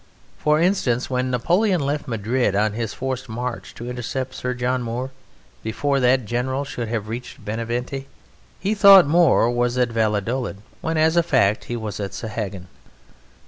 For instance, when Napoleon left Madrid on his forced march to intercept Sir John Moore before that general should have reached Benevente, he thought Moore was at Valladolid, when as a fact he was at Sahagun.